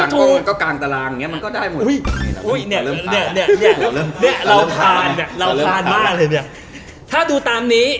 หรือก็พบทางก็กางตราง